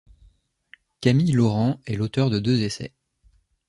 Camille Laurens est l'auteur de deux essais.